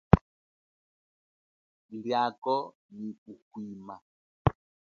Liako nyi kuhwima.